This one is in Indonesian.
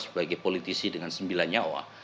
sebagai politisi dengan sembilan nyawa